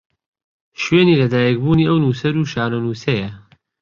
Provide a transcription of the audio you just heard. شوێنی لە دایکبوونی ئەو نووسەر و شانۆنووسەیە